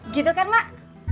gitu kan mak